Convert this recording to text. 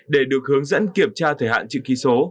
để được hướng dẫn kiểm tra thời hạn chữ ký số